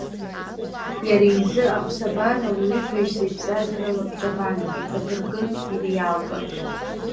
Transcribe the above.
Иара изы аԥсабара, ауаҩытәыҩса ибзазара лабҿабан, иҵабыргын, иреалтәын.